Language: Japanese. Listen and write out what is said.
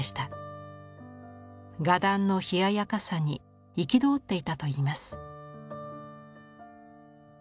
画壇の冷ややかさに憤っていたといいます。